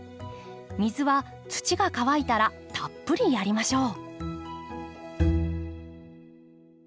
水は土が乾いたらたっぷりやりましょう。